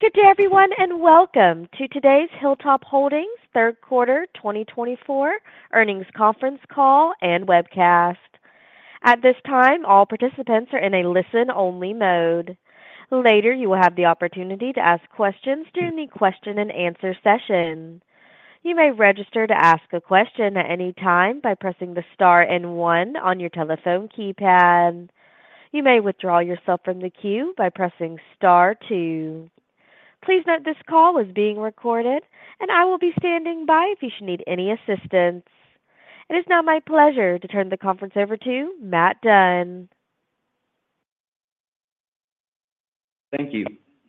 Good day, everyone, and welcome to today's Hilltop Holdings third quarter twenty twenty-four earnings conference call and webcast. At this time, all participants are in a listen-only mode. Later, you will have the opportunity to ask questions during the question and answer session. You may register to ask a question at any time by pressing the star and one on your telephone keypad. You may withdraw yourself from the queue by pressing star two. Please note this call is being recorded, and I will be standing by if you should need any assistance. It is now my pleasure to turn the conference over to Matt Dunn. Thank you.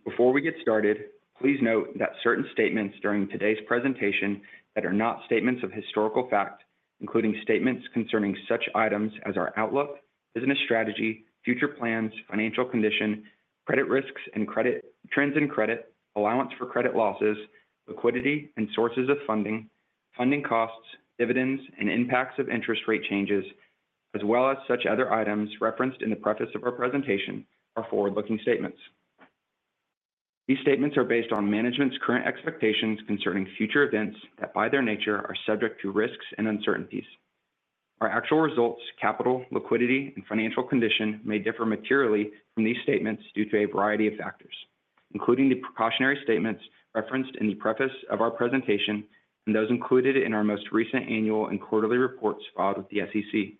Before we get started, please note that certain statements during today's presentation that are not statements of historical fact, including statements concerning such items as our outlook, business strategy, future plans, financial condition, credit risks and trends in credit, allowance for credit losses, liquidity and sources of funding, funding costs, dividends, and impacts of interest rate changes, as well as such other items referenced in the preface of our presentation are forward-looking statements. These statements are based on management's current expectations concerning future events that, by their nature, are subject to risks and uncertainties. Our actual results, capital, liquidity, and financial condition may differ materially from these statements due to a variety of factors, including the precautionary statements referenced in the preface of our presentation and those included in our most recent annual and quarterly reports filed with the SEC.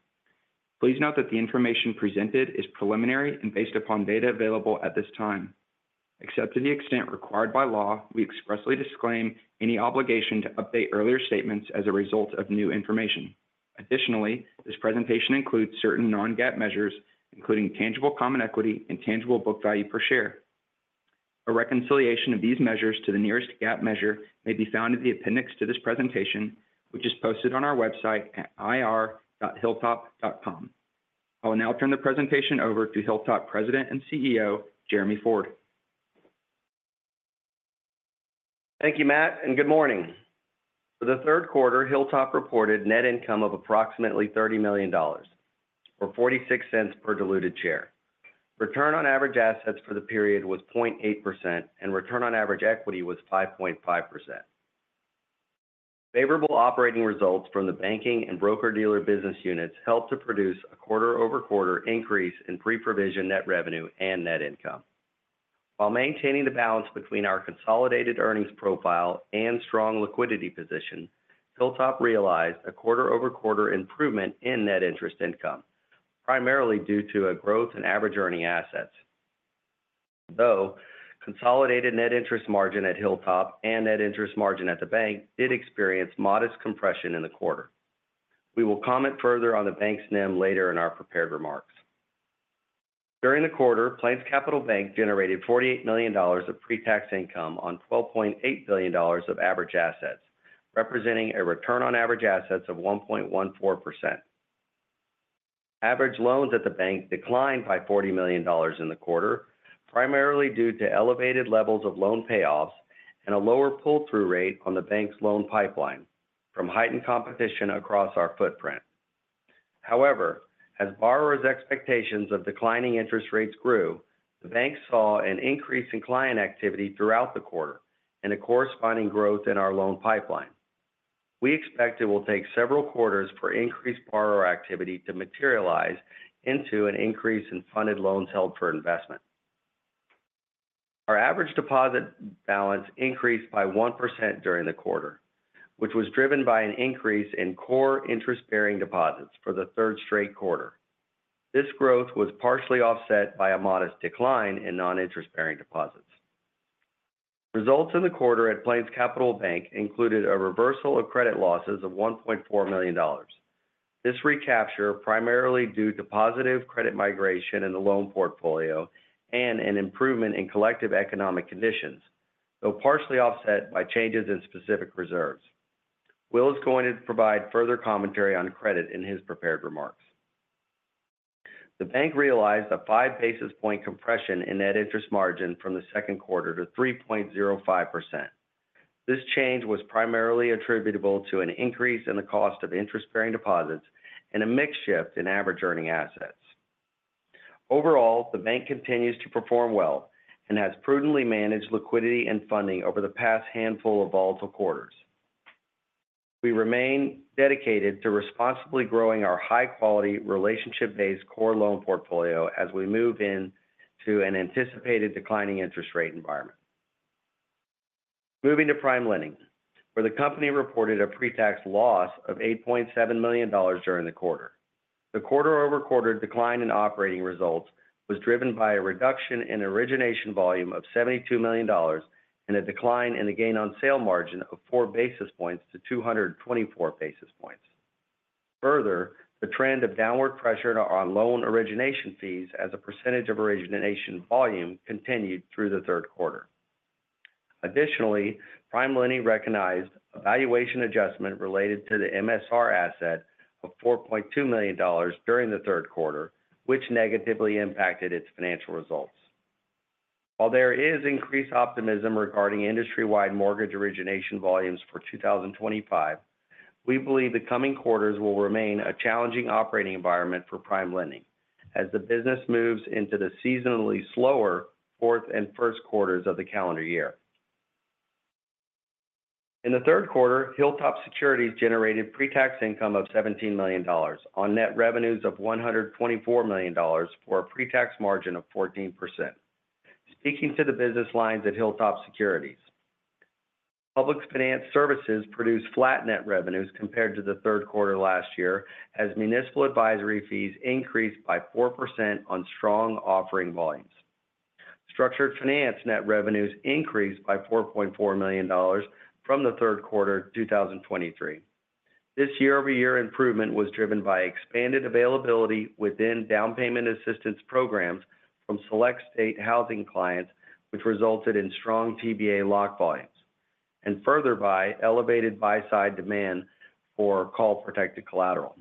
Please note that the information presented is preliminary and based upon data available at this time. Except to the extent required by law, we expressly disclaim any obligation to update earlier statements as a result of new information. Additionally, this presentation includes certain non-GAAP measures, including tangible common equity and tangible book value per share. A reconciliation of these measures to the nearest GAAP measure may be found in the appendix to this presentation, which is posted on our website at ir.hilltop.com. I will now turn the presentation over to Hilltop President and CEO, Jeremy Ford. Thank you, Matt, and good morning. For the third quarter, Hilltop reported net income of approximately $30 million, or $0.46 per diluted share. Return on average assets for the period was 0.8%, and return on average equity was 5.5%. Favorable operating results from the banking and broker-dealer business units helped to produce a quarter-over-quarter increase in pre-provision net revenue and net income. While maintaining the balance between our consolidated earnings profile and strong liquidity position, Hilltop realized a quarter-over-quarter improvement in net interest income, primarily due to a growth in average earning assets, though consolidated net interest margin at Hilltop and net interest margin at the bank did experience modest compression in the quarter. We will comment further on the bank's NIM later in our prepared remarks. During the quarter, PlainsCapital Bank generated $48 million of pre-tax income on $12.8 billion of average assets, representing a return on average assets of 1.14%. Average loans at the bank declined by $40 million in the quarter, primarily due to elevated levels of loan payoffs and a lower pull-through rate on the bank's loan pipeline from heightened competition across our footprint. However, as borrowers' expectations of declining interest rates grew, the bank saw an increase in client activity throughout the quarter and a corresponding growth in our loan pipeline. We expect it will take several quarters for increased borrower activity to materialize into an increase in funded loans held for investment. Our average deposit balance increased by 1% during the quarter, which was driven by an increase in core interest-bearing deposits for the third straight quarter. This growth was partially offset by a modest decline in non-interest-bearing deposits. Results in the quarter at PlainsCapital Bank included a reversal of credit losses of $1.4 million. This recapture primarily due to positive credit migration in the loan portfolio and an improvement in collective economic conditions, though partially offset by changes in specific reserves. Will is going to provide further commentary on credit in his prepared remarks. The bank realized a five basis points compression in net interest margin from the second quarter to 3.05%. This change was primarily attributable to an increase in the cost of interest-bearing deposits and a mix shift in average earning assets. Overall, the bank continues to perform well and has prudently managed liquidity and funding over the past handful of volatile quarters. We remain dedicated to responsibly growing our high-quality, relationship-based core loan portfolio as we move into an anticipated declining interest rate environment. Moving to PrimeLending, where the company reported a pre-tax loss of $8.7 million during the quarter. The quarter-over-quarter decline in operating results was driven by a reduction in origination volume of $72 million and a decline in the gain on sale margin of 4 basis points to 224 basis points. Further, the trend of downward pressure on loan origination fees as a percentage of origination volume continued through the third quarter. Additionally, PrimeLending recognized a valuation adjustment related to the MSR asset of $4.2 million during the third quarter, which negatively impacted its financial results. While there is increased optimism regarding industry-wide mortgage origination volumes for 2025-... We believe the coming quarters will remain a challenging operating environment for PrimeLending as the business moves into the seasonally slower fourth and first quarters of the calendar year. In the third quarter, Hilltop Securities generated pre-tax income of $17 million on net revenues of $124 million, for a pre-tax margin of 14%. Speaking to the business lines at Hilltop Securities, Public Finance Services produced flat net revenues compared to the third quarter last year, as municipal advisory fees increased by 4% on strong offering volumes. Structured finance net revenues increased by $4.4 million from the third quarter 2023. This year-over-year improvement was driven by expanded availability within down payment assistance programs from select state housing clients, which resulted in strong TBA lock volumes, and further by elevated buy-side demand for call protected collateral.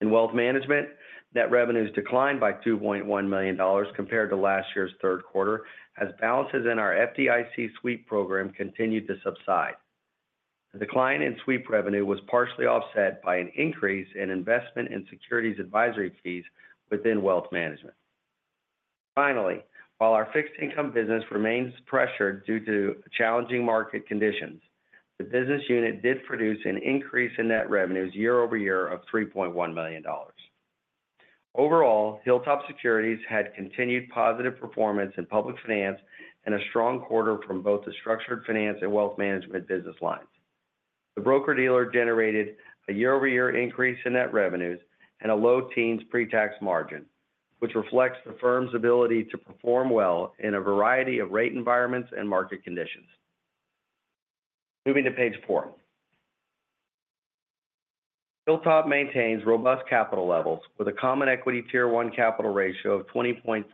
In wealth management, net revenues declined by $2.1 million compared to last year's third quarter, as balances in our FDIC sweep program continued to subside. The decline in sweep revenue was partially offset by an increase in investment in securities advisory fees within wealth management. Finally, while our fixed income business remains pressured due to challenging market conditions, the business unit did produce an increase in net revenues year over year of $3.1 million. Overall, Hilltop Securities had continued positive performance in public finance and a strong quarter from both the structured finance and wealth management business lines. The broker-dealer generated a year-over-year increase in net revenues and a low teens pre-tax margin, which reflects the firm's ability to perform well in a variety of rate environments and market conditions. Moving to page four. Hilltop maintains robust capital levels with a Common equity Tier 1 capital ratio of 20.5%.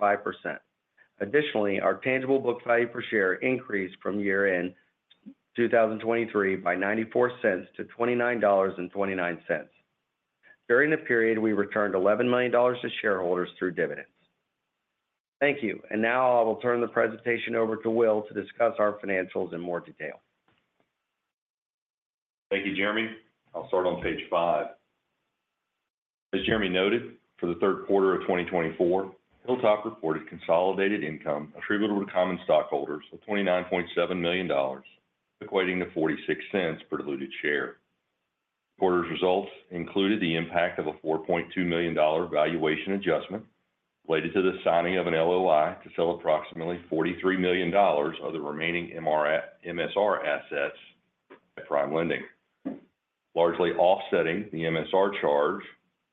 Additionally, our tangible book value per share increased from year-end two thousand and twenty-three by $0.94 to $29.29. During the period, we returned $11 million to shareholders through dividends. Thank you. And now I will turn the presentation over to Will to discuss our financials in more detail. Thank you, Jeremy. I'll start on page five. As Jeremy noted, for the third quarter of 2024, Hilltop reported consolidated income attributable to common stockholders of $29.7 million, equating to $0.46 per diluted share. Quarter's results included the impact of a $4.2 million valuation adjustment related to the signing of an LOI to sell approximately $43 million of the remaining MSR assets at PrimeLending. Largely offsetting the MSR charge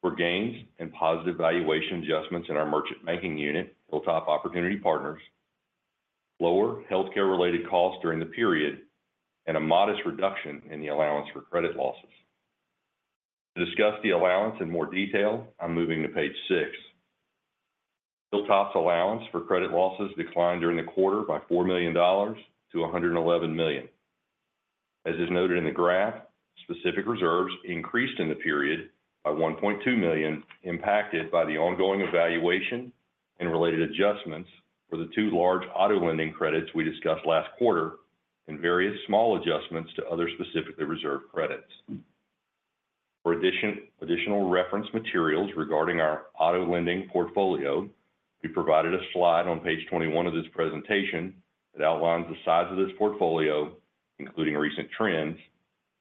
were gains and positive valuation adjustments in our merchant banking unit, Hilltop Opportunity Partners, lower healthcare-related costs during the period, and a modest reduction in the allowance for credit losses. To discuss the allowance in more detail, I'm moving to page six. Hilltop's allowance for credit losses declined during the quarter by $4 million to $111 million. As is noted in the graph, specific reserves increased in the period by $1.2 million, impacted by the ongoing evaluation and related adjustments for the two large auto lending credits we discussed last quarter, and various small adjustments to other specifically reserved credits. For additional reference materials regarding our auto lending portfolio, we provided a slide on page 21 of this presentation that outlines the size of this portfolio, including recent trends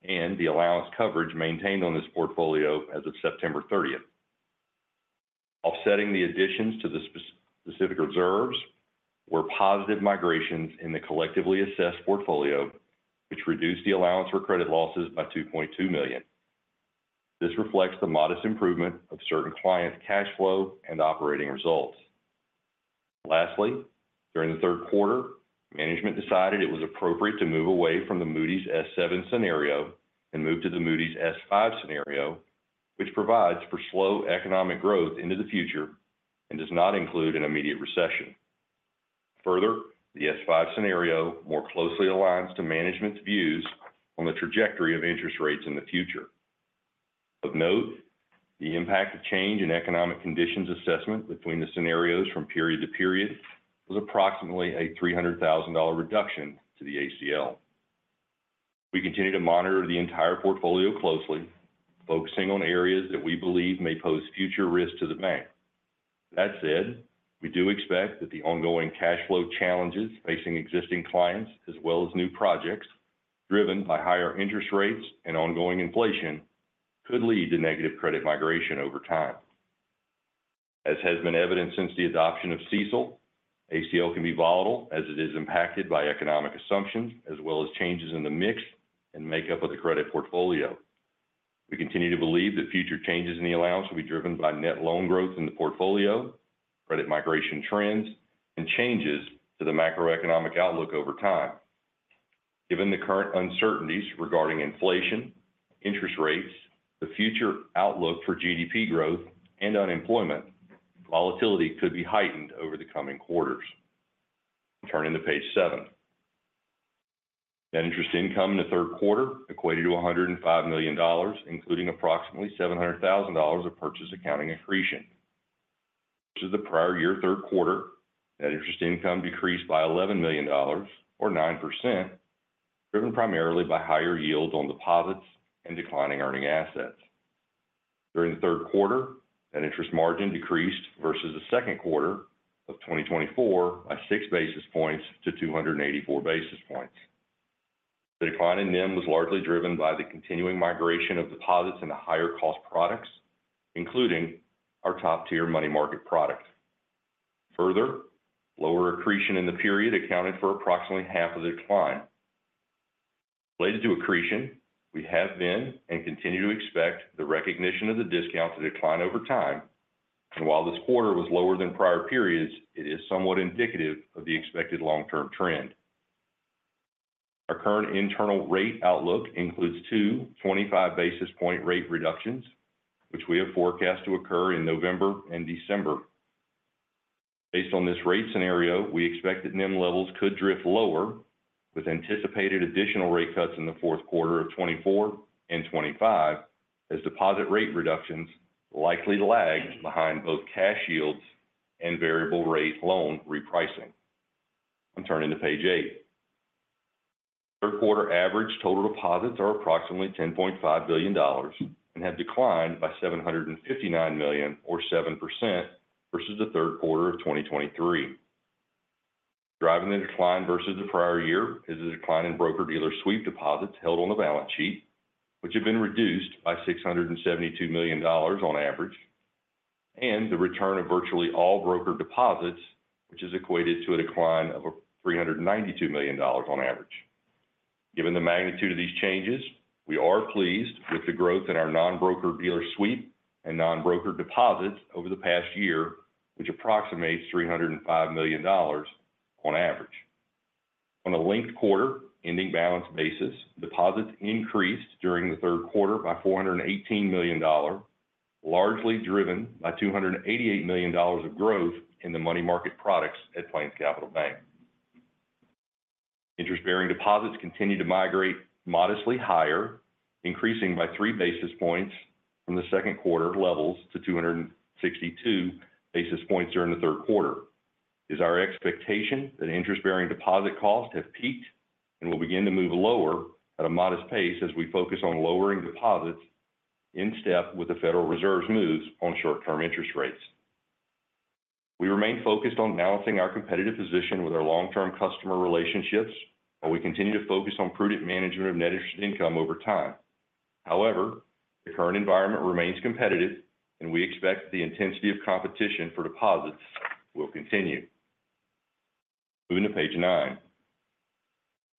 and the allowance coverage maintained on this portfolio as of September thirtieth. Offsetting the additions to the specific reserves were positive migrations in the collectively assessed portfolio, which reduced the allowance for credit losses by $2.2 million. This reflects the modest improvement of certain clients' cash flow and operating results. Lastly, during the third quarter, management decided it was appropriate to move away from the Moody's S7 scenario and move to the Moody's S5 scenario, which provides for slow economic growth into the future and does not include an immediate recession. Further, the S5 scenario more closely aligns to management's views on the trajectory of interest rates in the future. Of note, the impact of change in economic conditions assessment between the scenarios from period to period was approximately a $300,000 reduction to the ACL. We continue to monitor the entire portfolio closely, focusing on areas that we believe may pose future risk to the bank. That said, we do expect that the ongoing cash flow challenges facing existing clients, as well as new projects driven by higher interest rates and ongoing inflation, could lead to negative credit migration over time. As has been evident since the adoption of CECL, ACL can be volatile as it is impacted by economic assumptions, as well as changes in the mix and makeup of the credit portfolio. We continue to believe that future changes in the allowance will be driven by net loan growth in the portfolio, credit migration trends, and changes to the macroeconomic outlook over time. Given the current uncertainties regarding inflation, interest rates, the future outlook for GDP growth and unemployment, volatility could be heightened over the coming quarters. Turning to page seven. Net interest income in the third quarter equated to $105 million, including approximately $700,000 of purchase accounting accretion. Versus the prior year third quarter, net interest income decreased by $11 million, or 9%, driven primarily by higher yields on deposits and declining earning assets. During the third quarter, net interest margin decreased versus the second quarter of 2024 by six basis points to 284 basis points. The decline in NIM was largely driven by the continuing migration of deposits into higher cost products, including our top-tier money market products. Further, lower accretion in the period accounted for approximately half of the decline. Related to accretion, we have been and continue to expect the recognition of the discount to decline over time, and while this quarter was lower than prior periods, it is somewhat indicative of the expected long-term trend. Our current internal rate outlook includes two 25 basis point rate reductions, which we have forecast to occur in November and December. Based on this rate scenario, we expect that NIM levels could drift lower, with anticipated additional rate cuts in the fourth quarter of 2024 and 2025, as deposit rate reductions likely lag behind both cash yields and variable rate loan repricing. I'm turning to page eight. Third quarter average total deposits are approximately $10.5 billion and have declined by $759 million or 7% versus the third quarter of 2023. Driving the decline versus the prior year is the decline in broker-dealer sweep deposits held on the balance sheet, which have been reduced by $672 million on average, and the return of virtually all broker deposits, which has equated to a decline of over $392 million on average. Given the magnitude of these changes, we are pleased with the growth in our non-broker dealer sweep and non-broker deposits over the past year, which approximates $305 million on average. On a linked quarter ending balance basis, deposits increased during the third quarter by $418 million, largely driven by $288 million of growth in the money market products at PlainsCapital Bank. Interest-bearing deposits continued to migrate modestly higher, increasing by three basis points from the second quarter levels to 262 basis points during the third quarter. It is our expectation that interest-bearing deposit costs have peaked and will begin to move lower at a modest pace as we focus on lowering deposits in step with the Federal Reserve's moves on short-term interest rates. We remain focused on balancing our competitive position with our long-term customer relationships, and we continue to focus on prudent management of net interest income over time. However, the current environment remains competitive, and we expect the intensity of competition for deposits will continue. Moving to page nine.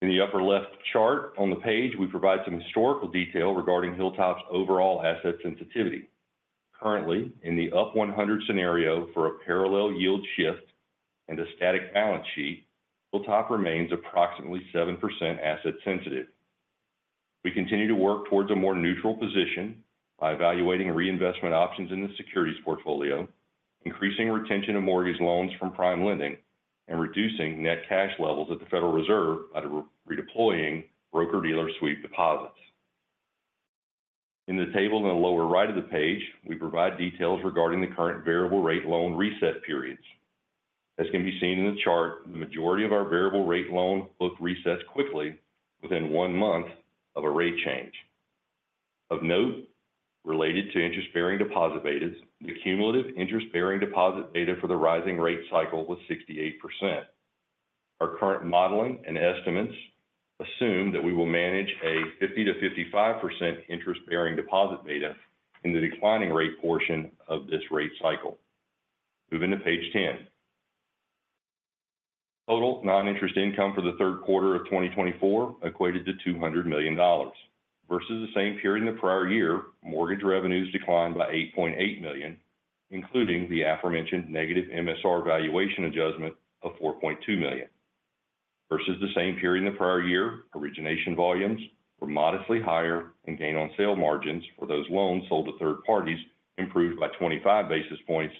In the upper left chart on the page, we provide some historical detail regarding Hilltop's overall asset sensitivity. Currently, in the up one hundred scenario for a parallel yield shift and a static balance sheet, Hilltop remains approximately 7% asset sensitive. We continue to work towards a more neutral position by evaluating reinvestment options in the securities portfolio, increasing retention of mortgage loans from PrimeLending, and reducing net cash levels at the Federal Reserve by redeploying broker-dealer sweep deposits. In the table in the lower right of the page, we provide details regarding the current variable rate loan reset periods. As can be seen in the chart, the majority of our variable rate loan book resets quickly within one month of a rate change. Of note, related to interest-bearing deposit betas, the cumulative interest-bearing deposit beta for the rising rate cycle was 68%. Our current modeling and estimates assume that we will manage a 50-55% interest-bearing deposit beta in the declining rate portion of this rate cycle. Moving to page 10. Total non-interest income for the third quarter of 2024 equated to $200 million. Versus the same period in the prior year, mortgage revenues declined by $8.8 million, including the aforementioned negative MSR valuation adjustment of $4.2 million. Versus the same period in the prior year, origination volumes were modestly higher and gain-on-sale margins for those loans sold to third parties improved by twenty-five basis points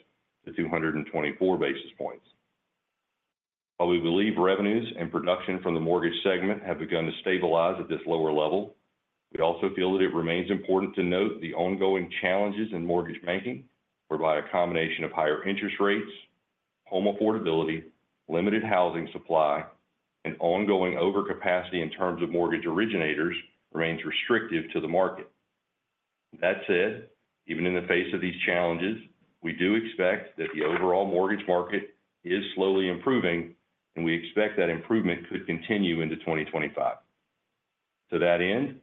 to two hundred and twenty-four basis points. While we believe revenues and production from the mortgage segment have begun to stabilize at this lower level, we also feel that it remains important to note the ongoing challenges in mortgage banking, whereby a combination of higher interest rates, home affordability, limited housing supply, and ongoing overcapacity in terms of mortgage originators remains restrictive to the market. That said, even in the face of these challenges, we do expect that the overall mortgage market is slowly improving, and we expect that improvement could continue into twenty twenty-five. To that end,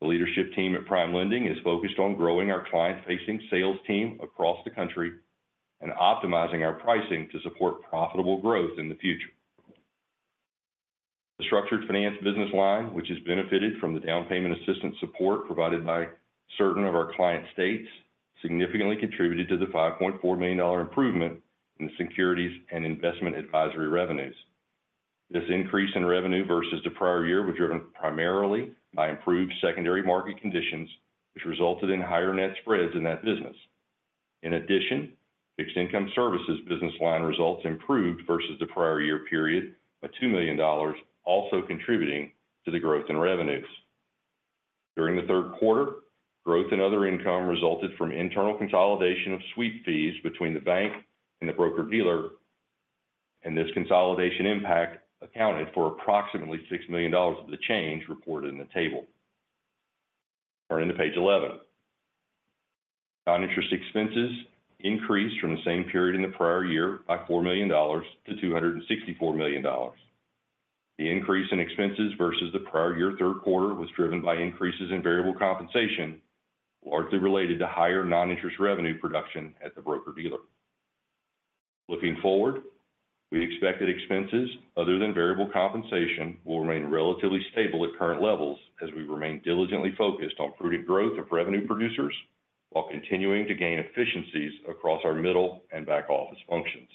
the leadership team at PrimeLending is focused on growing our client-facing sales team across the country and optimizing our pricing to support profitable growth in the future. The structured finance business line, which has benefited from the down payment assistance support provided by certain of our client states, significantly contributed to the $5.4 million improvement in the securities and investment advisory revenues. This increase in revenue versus the prior year was driven primarily by improved secondary market conditions, which resulted in higher net spreads in that business. In addition, fixed income services business line results improved versus the prior year period by $2 million, also contributing to the growth in revenues. During the third quarter, growth and other income resulted from internal consolidation of sweep fees between the bank and the broker-dealer, and this consolidation impact accounted for approximately $6 million of the change reported in the table. Turning to page 11. Non-interest expenses increased from the same period in the prior year by $4 million to $264 million. The increase in expenses versus the prior year third quarter was driven by increases in variable compensation, largely related to higher non-interest revenue production at the broker-dealer. Looking forward, we expect that expenses other than variable compensation will remain relatively stable at current levels as we remain diligently focused on prudent growth of revenue producers, while continuing to gain efficiencies across our middle and back office functions.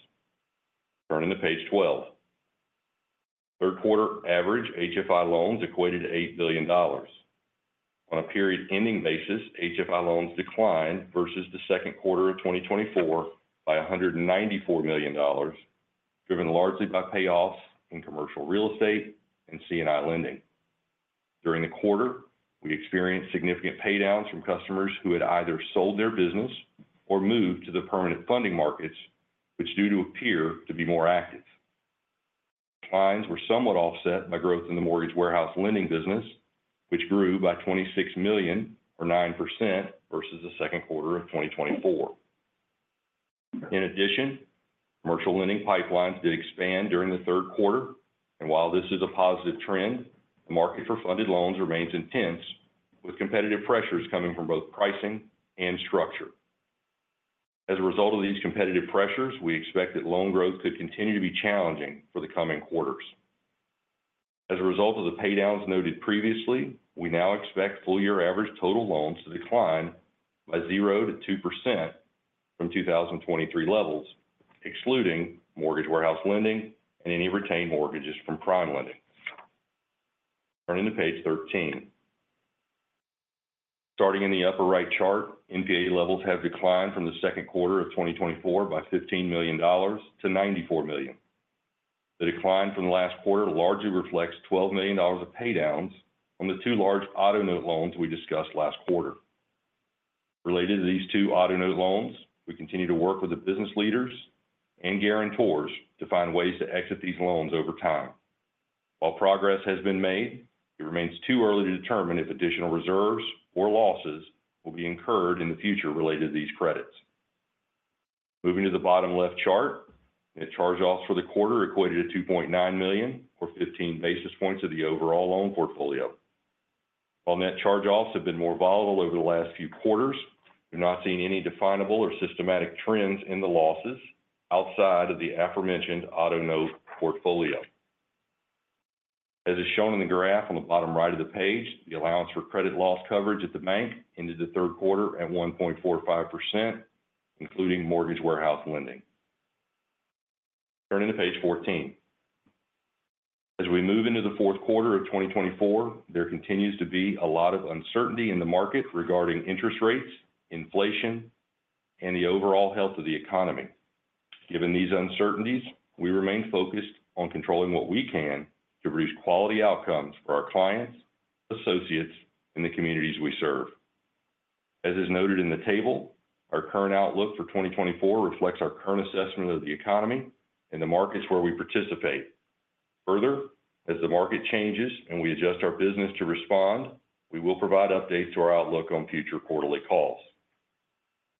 Turning to page 12. Third quarter average HFI loans equated to $8 billion. On a period-ending basis, HFI loans declined versus the second quarter of 2024 by $194 million, driven largely by payoffs in commercial real estate and C&I lending. During the quarter, we experienced significant paydowns from customers who had either sold their business or moved to the permanent funding markets, which do, too, appear to be more active. Declines were somewhat offset by growth in the mortgage warehouse lending business, which grew by $26 million or 9% versus the second quarter of 2024. In addition, commercial lending pipelines did expand during the third quarter, and while this is a positive trend, the market for funded loans remains intense, with competitive pressures coming from both pricing and structure. As a result of these competitive pressures, we expect that loan growth could continue to be challenging for the coming quarters. As a result of the paydowns noted previously, we now expect full year average total loans to decline by 0-2% from 2023 levels, excluding mortgage warehouse lending and any retained mortgages from PrimeLending. Turning to page 13. Starting in the upper right chart, NPA levels have declined from the second quarter of 2024 by $15 million to $94 million. The decline from the last quarter largely reflects $12 million of paydowns from the two large auto note loans we discussed last quarter. Related to these two auto note loans, we continue to work with the business leaders and guarantors to find ways to exit these loans over time. While progress has been made, it remains too early to determine if additional reserves or losses will be incurred in the future related to these credits. Moving to the bottom left chart, net charge-offs for the quarter equated to $2.9 million or 15 basis points of the overall loan portfolio. While net charge-offs have been more volatile over the last few quarters, we've not seen any definable or systematic trends in the losses outside of the aforementioned auto note portfolio. As is shown in the graph on the bottom right of the page, the allowance for credit loss coverage at the bank ended the third quarter at 1.45%, including mortgage warehouse lending. Turning to page 14. As we move into the fourth quarter of 2024, there continues to be a lot of uncertainty in the market regarding interest rates, inflation, and the overall health of the economy. Given these uncertainties, we remain focused on controlling what we can to produce quality outcomes for our clients, associates, and the communities we serve. As is noted in the table, our current outlook for 2024 reflects our current assessment of the economy and the markets where we participate. Further, as the market changes and we adjust our business to respond, we will provide updates to our outlook on future quarterly calls.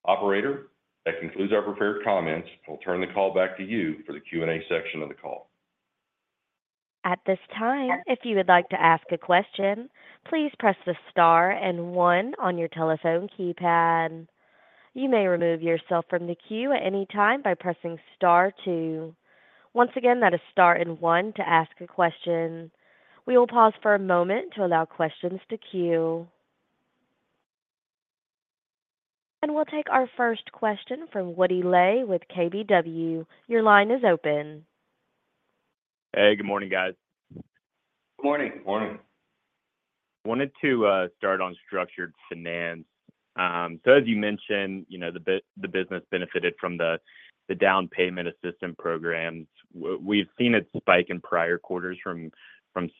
Operator, that concludes our prepared comments. We'll turn the call back to you for the Q&A section of the call. At this time, if you would like to ask a question, please press the star and one on your telephone keypad. You may remove yourself from the queue at any time by pressing star two. Once again, that is star and one to ask a question. We will pause for a moment to allow questions to queue. And we'll take our first question from Woody Lay with KBW. Your line is open. Hey, good morning, guys. Morning. Morning. Wanted to start on structured finance. So as you mentioned, you know, the business benefited from the down payment assistance programs. We've seen it spike in prior quarters from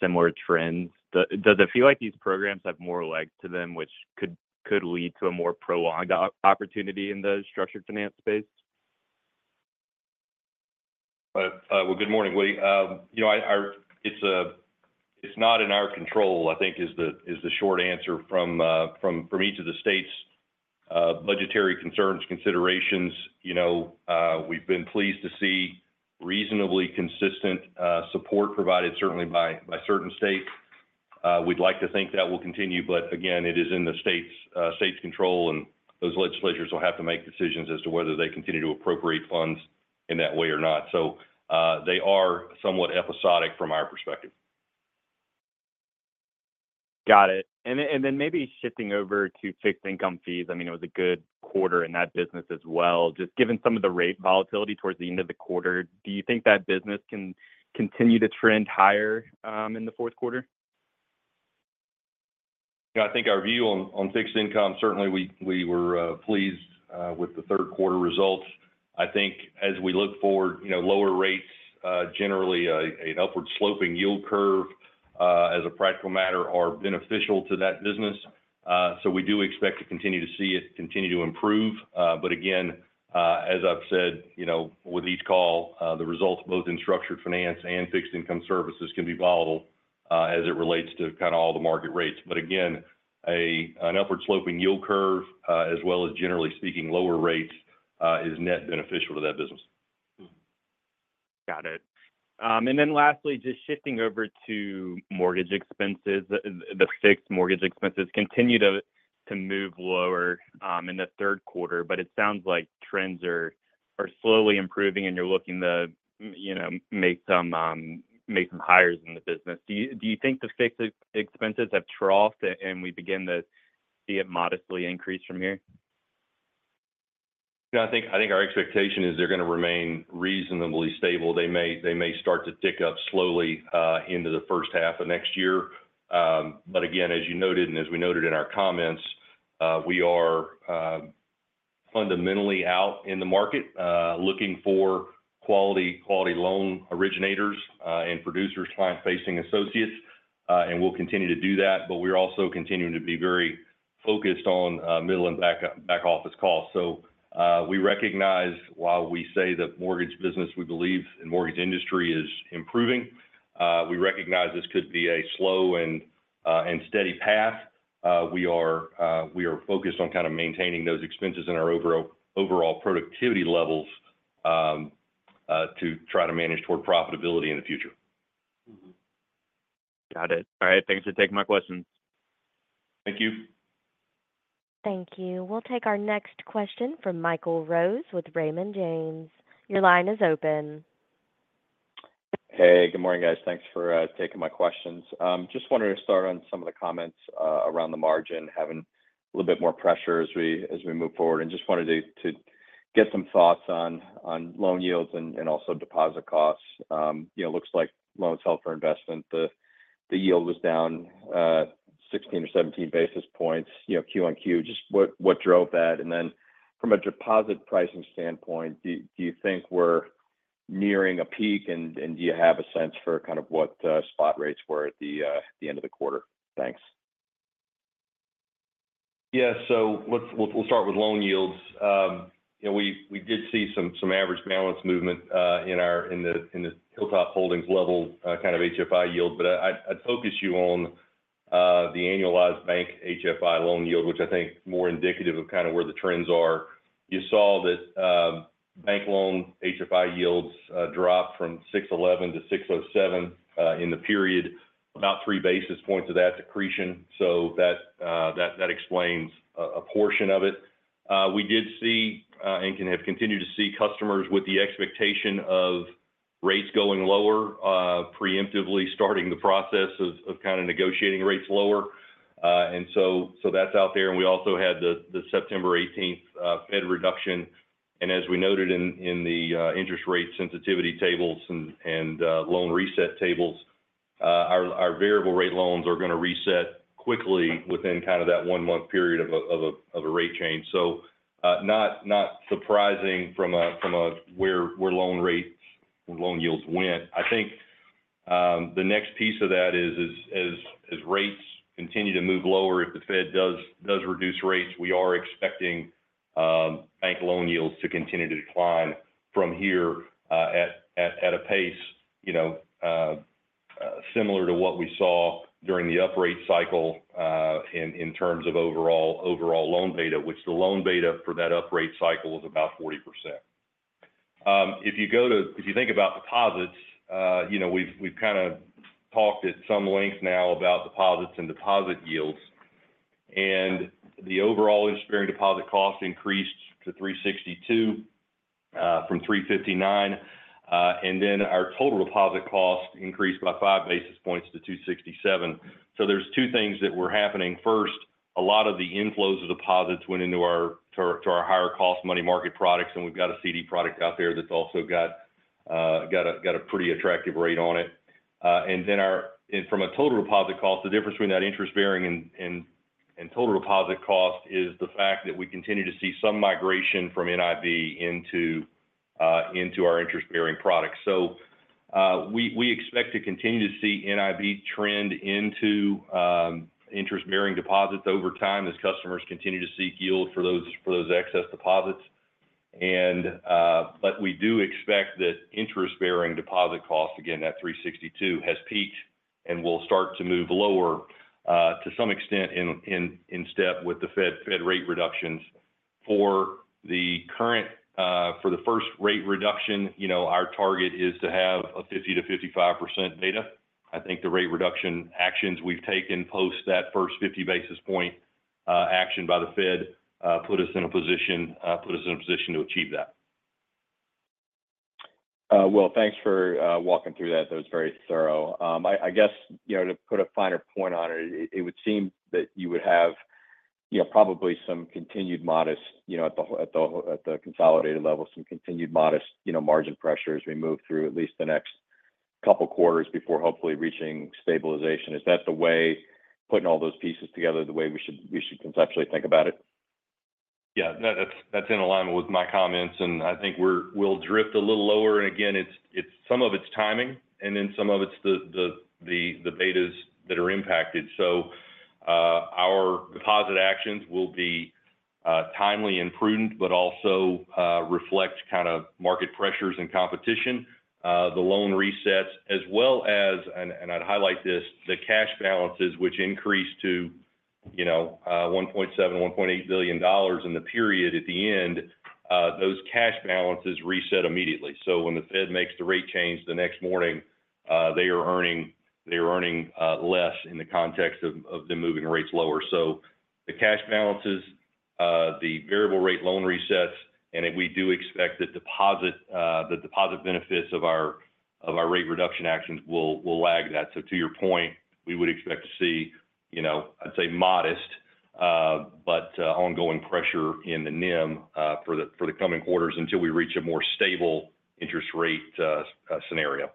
similar trends. Does it feel like these programs have more legs to them, which could lead to a more prolonged opportunity in the structured finance space? Good morning, Woody. You know, it's not in our control. I think is the short answer from each of the states' budgetary concerns, considerations. You know, we've been pleased to see reasonably consistent support provided certainly by certain states. We'd like to think that will continue, but again, it is in the state's control, and those legislatures will have to make decisions as to whether they continue to appropriate funds in that way or not. So, they are somewhat episodic from our perspective. Got it. And then maybe shifting over to fixed income fees, I mean, it was a good quarter in that business as well. Just given some of the rate volatility towards the end of the quarter, do you think that business can continue to trend higher in the fourth quarter? I think our view on fixed income, certainly we were pleased with the third quarter results. I think as we look forward, you know, lower rates, generally, an upward sloping yield curve, as a practical matter, are beneficial to that business. So we do expect to continue to see it continue to improve. But again, as I've said, you know, with each call, the results, both in structured finance and fixed income services, can be volatile, as it relates to kind of all the market rates. But again, an upward sloping yield curve, as well as generally speaking, lower rates, is net beneficial to that business. Mm-hmm. Got it. And then lastly, just shifting over to mortgage expenses. The fixed mortgage expenses continued to move lower in the third quarter, but it sounds like trends are slowly improving and you're looking to, you know, make some hires in the business. Do you think the fixed expenses have troughed, and we begin to see it modestly increase from here? Yeah, I think our expectation is they're gonna remain reasonably stable. They may start to tick up slowly into the first half of next year. But again, as you noted and as we noted in our comments, we are fundamentally out in the market looking for quality loan originators and producers, client-facing associates, and we'll continue to do that. But we're also continuing to be very focused on middle and back office costs. So, we recognize while we say the mortgage business, we believe, the mortgage industry is improving, we recognize this could be a slow and steady path. We are focused on kind of maintaining those expenses and our overall productivity levels to try to manage toward profitability in the future. Mm-hmm. Got it. All right. Thanks for taking my questions. Thank you. Thank you. We'll take our next question from Michael Rose with Raymond James. Your line is open. Hey, good morning, guys. Thanks for taking my questions. Just wanted to start on some of the comments around the margin, having a little bit more pressure as we move forward, and just wanted to get some thoughts on loan yields and also deposit costs. You know, looks like loans held for investment, the yield was down 16 or 17 basis points, you know, Q on Q. Just what drove that? And then from a deposit pricing standpoint, do you think we're nearing a peak, and do you have a sense for kind of what spot rates were at the end of the quarter? Thanks. Yeah. So we'll start with loan yields. You know, we did see some average balance movement in the Hilltop Holdings level kind of HFI yield. But I'd focus you on the annualized bank HFI loan yield, which I think is more indicative of kind of where the trends are. You saw that bank loan HFI yields dropped from six eleven to six oh seven in the period, about three basis points of that accretion. So that explains a portion of it. We did see and have continued to see customers with the expectation of rates going lower preemptively starting the process of kind of negotiating rates lower. And so that's out there. And we also had the September eighteenth Fed reduction. And as we noted in the interest rate sensitivity tables and loan reset tables, our variable rate loans are gonna reset quickly within kind of that one-month period of a rate change. So, not surprising from where loan yields went. I think the next piece of that is as rates continue to move lower, if the Fed does reduce rates, we are expecting bank loan yields to continue to decline from here at a pace, you know, similar to what we saw during the uprate cycle in terms of overall loan beta, which the loan beta for that uprate cycle was about 40%. If you think about deposits, you know, we've kind of talked at some length now about deposits and deposit yields, and the overall interest-bearing deposit cost increased to 3.62 from 3.59. And then our total deposit cost increased by five basis points to 2.67. So there's two things that were happening. First, a lot of the inflows of deposits went into our higher cost money market products, and we've got a CD product out there that's also got a pretty attractive rate on it. And then from a total deposit cost, the difference between that interest-bearing and total deposit cost is the fact that we continue to see some migration from NIV into our interest-bearing products. We expect to continue to see NIV trend into interest-bearing deposits over time as customers continue to seek yield for those excess deposits. But we do expect that interest-bearing deposit costs, again, that 3.62, has peaked and will start to move lower to some extent in step with the Fed rate reductions. For the current, for the first rate reduction, you know, our target is to have a 50-55% beta. I think the rate reduction actions we've taken post that first 50 basis point action by the Fed put us in a position to achieve that. Thanks for walking through that. That was very thorough. I guess, you know, to put a finer point on it, it would seem that you would have, you know, probably some continued modest at the consolidated level, you know, margin pressure as we move through at least the next couple quarters before hopefully reaching stabilization. Is that the way, putting all those pieces together, the way we should conceptually think about it? Yeah, that, that's in alignment with my comments, and I think we'll drift a little lower. And again, it's some of it's timing, and then some of it's the betas that are impacted. So, our deposit actions will be timely and prudent, but also reflect kind of market pressures and competition, the loan resets, as well as, and I'd highlight this, the cash balances, which increase to, you know, $1.7 billion-$1.8 billion in the period at the end. Those cash balances reset immediately. So when the Fed makes the rate change, the next morning, they are earning less in the context of them moving rates lower. So the cash balances, the variable rate loan resets, and then we do expect the deposit, the deposit benefits of our rate reduction actions will lag that. So to your point, we would expect to see, you know, I'd say modest, but ongoing pressure in the NIM for the coming quarters until we reach a more stable interest rate scenario.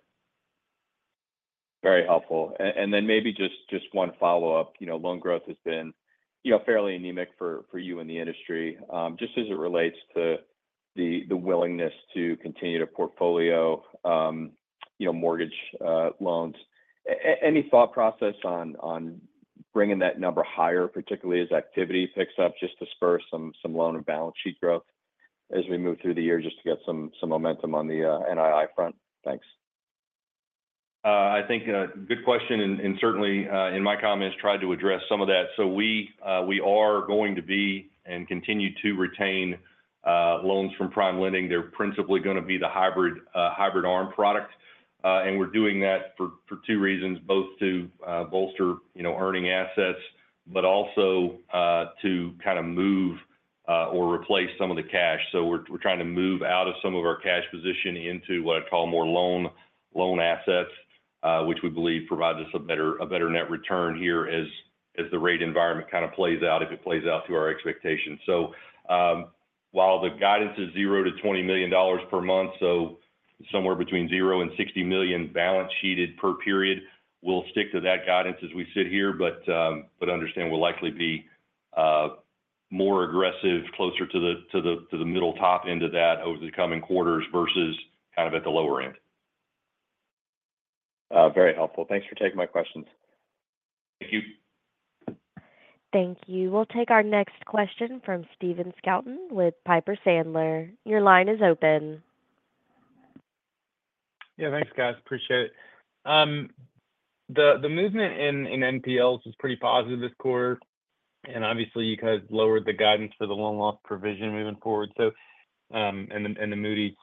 Very helpful. And then maybe just one follow-up. You know, loan growth has been, you know, fairly anemic for you in the industry. Just as it relates to the willingness to continue to portfolio you know mortgage loans. Any thought process on bringing that number higher, particularly as activity picks up, just to spur some loan and balance sheet growth as we move through the year, just to get some momentum on the NII front? Thanks. I think good question, and certainly in my comments tried to address some of that. So we are going to be and continue to retain loans from PrimeLending. They're principally gonna be the hybrid ARM product. And we're doing that for two reasons, both to bolster, you know, earning assets, but also to kind of move or replace some of the cash. So we're trying to move out of some of our cash position into what I'd call more loan assets, which we believe provides us a better net return here as the rate environment kind of plays out, if it plays out to our expectations. While the guidance is $0-$20 million per month, so somewhere between $0 and $60 million balance sheeted per period, we'll stick to that guidance as we sit here. But, understand we'll likely be more aggressive, closer to the middle top end of that over the coming quarters versus kind of at the lower end. Very helpful. Thanks for taking my questions. Thank you. Thank you. We'll take our next question from Stephen Scouten with Piper Sandler. Your line is open. Yeah, thanks, guys. Appreciate it. The movement in NPLs is pretty positive this quarter, and obviously, you guys lowered the guidance for the loan loss provision moving forward, so, and the Moody's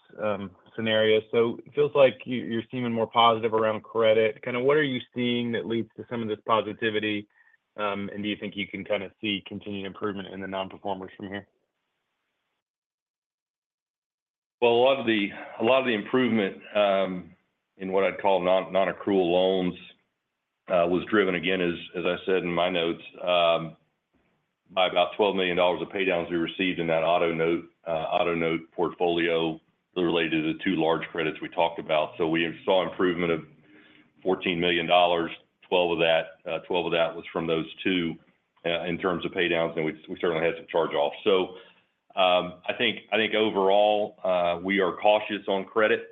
scenario. So it feels like you're seeming more positive around credit. Kind of, what are you seeing that leads to some of this positivity, and do you think you can kind of see continued improvement in the nonperformers from here? A lot of the improvement in what I'd call non-accrual loans was driven, again, as I said in my notes, by about $12 million of pay downs we received in that auto note portfolio related to the two large credits we talked about. We saw improvement of $14 million. $12 of that was from those two in terms of pay downs, and we certainly had some charge-off. I think overall, we are cautious on credit.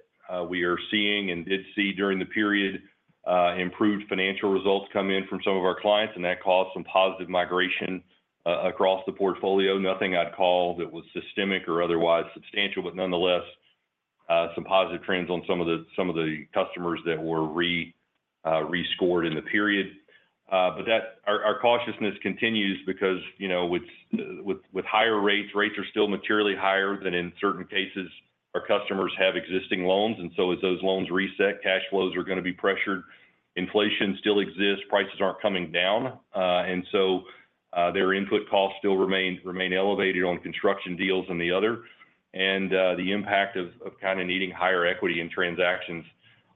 We are seeing and did see during the period improved financial results come in from some of our clients, and that caused some positive migration across the portfolio. Nothing I'd call that was systemic or otherwise substantial, but nonetheless, some positive trends on some of the customers that were rescored in the period. But that our cautiousness continues because, you know, with higher rates, rates are still materially higher than in certain cases, our customers have existing loans, and so as those loans reset, cash flows are gonna be pressured. Inflation still exists, prices aren't coming down, and so their input costs still remain elevated on construction deals and the other. The impact of kind of needing higher equity in transactions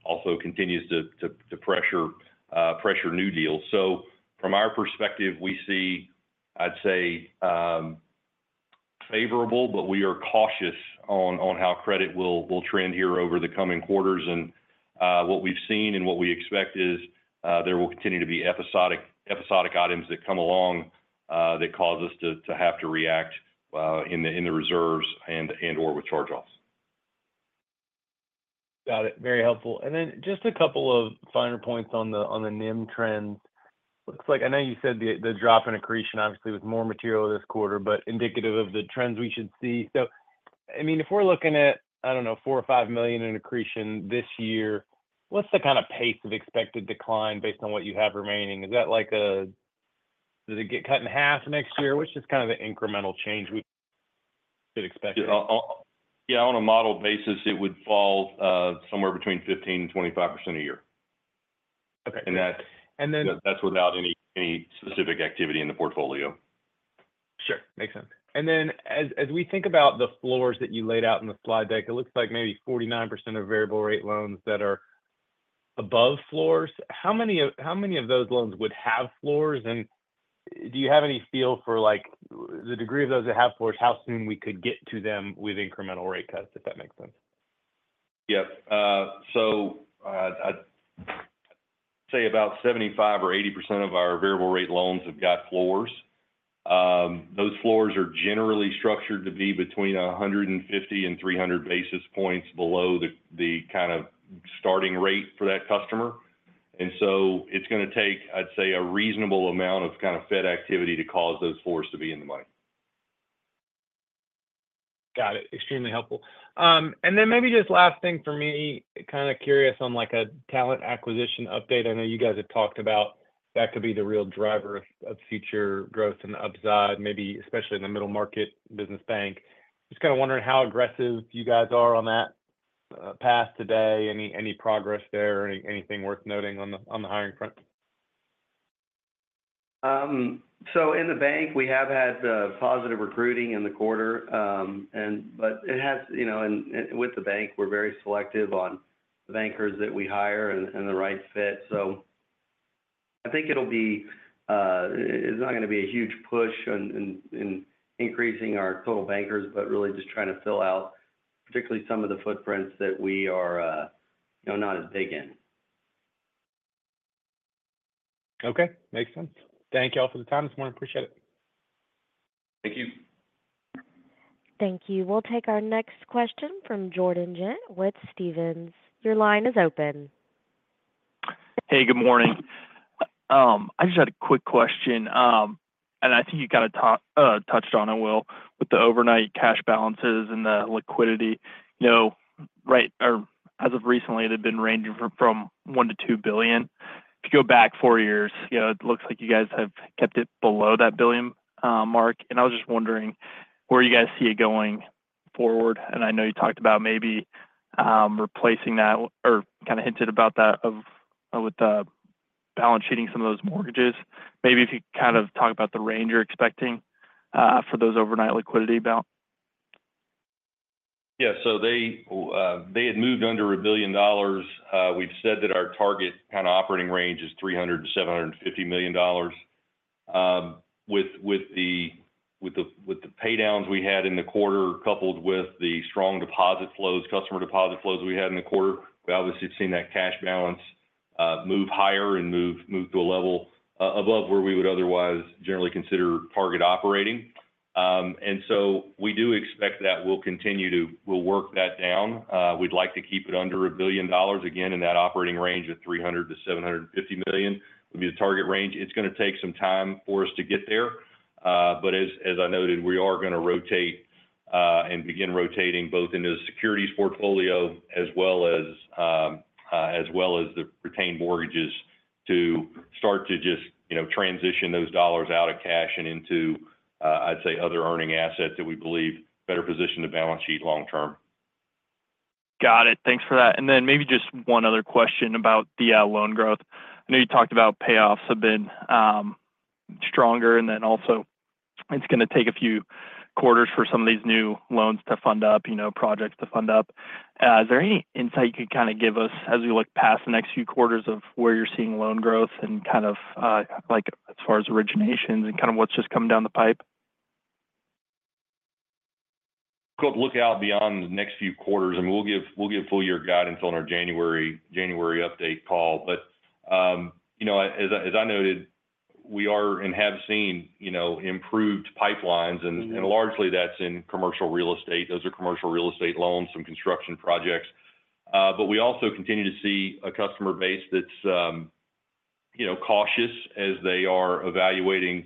also continues to pressure new deals. So from our perspective, we see, I'd say, favorable, but we are cautious on how credit will trend here over the coming quarters. What we've seen and what we expect is, there will continue to be episodic items that come along, that cause us to have to react in the reserves and/or with charge-offs. Got it. Very helpful. And then just a couple of finer points on the NIM trends. Looks like I know you said the drop in accretion obviously was more material this quarter, but indicative of the trends we should see. So, I mean, if we're looking at, I don't know, $4 million-$5 million in accretion this year, what's the kind of pace of expected decline based on what you have remaining? Is that like, does it get cut in half next year? What's just kind of the incremental change we could expect? Yeah, on a model basis, it would fall somewhere between 15% and 25% a year. Okay. And that- And then- That's without any specific activity in the portfolio. Sure, makes sense. And then as we think about the floors that you laid out in the slide deck, it looks like maybe 49% of variable rate loans that are above floors. How many of those loans would have floors, and do you have any feel for, like, the degree of those that have floors, how soon we could get to them with incremental rate cuts, if that makes sense? Yep. So, I'd say about 75% or 80% of our variable rate loans have got floors. Those floors are generally structured to be between 150 and 300 basis points below the kind of starting rate for that customer. And so it's gonna take, I'd say, a reasonable amount of kind of Fed activity to cause those floors to be in the money. Got it. Extremely helpful. And then maybe just last thing for me, kind of curious on, like, a talent acquisition update. I know you guys have talked about that could be the real driver of future growth and upside, maybe especially in the middle market business bank. Just kind of wondering how aggressive you guys are on that path today. Any progress there or anything worth noting on the hiring front? So in the bank, we have had positive recruiting in the quarter. But it has, you know, and with the bank, we're very selective on the bankers that we hire and the right fit. So I think it'll be. It's not gonna be a huge push on increasing our total bankers, but really just trying to fill out particularly some of the footprints that we are, you know, not as big in. Okay. Makes sense. Thank you all for the time this morning. Appreciate it. Thank you. Thank you. We'll take our next question from Jordan Ghent with Stephens. Your line is open. Hey, good morning. I just had a quick question, and I think you kind of touched on it, Will, with the overnight cash balances and the liquidity, you know, right? Or as of recently, it had been ranging from $1-$2 billion. If you go back four years, you know, it looks like you guys have kept it below that $1 billion mark, and I was just wondering where you guys see it going forward. And I know you talked about maybe replacing that or kind of hinted about that of, with the balance sheeting some of those mortgages. Maybe if you could kind of talk about the range you're expecting for those overnight liquidity balance. Yeah. So they had moved under $1 billion. We've said that our target kind of operating range is $300 million-$750 million. With the pay downs we had in the quarter, coupled with the strong deposit flows, customer deposit flows we had in the quarter, we obviously have seen that cash balance move higher and move to a level above where we would otherwise generally consider target operating. And so we do expect that we'll continue to work that down. We'd like to keep it under $1 billion. Again, in that operating range of $300 million-$750 million would be the target range. It's gonna take some time for us to get there, but as I noted, we are gonna rotate and begin rotating both into the securities portfolio as well as the retained mortgages to start to just, you know, transition those dollars out of cash and into, I'd say, other earning assets that we believe better position the balance sheet long term. Got it. Thanks for that, and then maybe just one other question about the loan growth. I know you talked about payoffs have been stronger, and then also it's gonna take a few quarters for some of these new loans to fund up, you know, projects to fund up. Is there any insight you can kind of give us as we look past the next few quarters of where you're seeing loan growth and kind of like as far as originations and kind of what's just coming down the pipe? Look out beyond the next few quarters, and we'll give full year guidance on our January update call. But you know, as I noted, we are and have seen you know, improved pipelines, and largely that's in commercial real estate. Those are commercial real estate loans, some construction projects. But we also continue to see a customer base that's you know, cautious as they are evaluating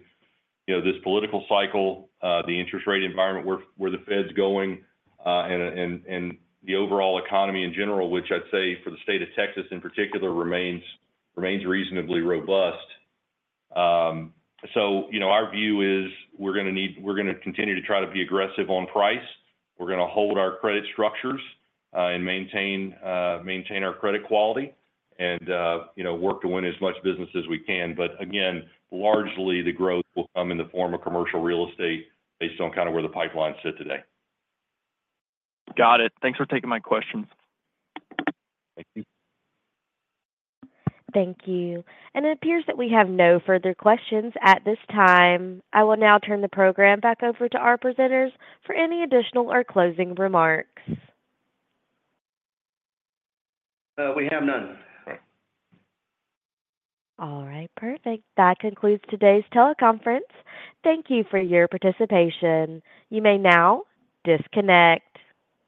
you know, this political cycle, the interest rate environment, where the Fed's going, and the overall economy in general, which I'd say for the state of Texas in particular, remains reasonably robust. So you know, our view is we're gonna continue to try to be aggressive on price. We're gonna hold our credit structures, and maintain our credit quality and, you know, work to win as much business as we can, but again, largely, the growth will come in the form of commercial real estate based on kind of where the pipelines sit today. Got it. Thanks for taking my questions. Thank you. Thank you, and it appears that we have no further questions at this time. I will now turn the program back over to our presenters for any additional or closing remarks. We have none. Right. All right, perfect. That concludes today's teleconference. Thank you for your participation. You may now disconnect.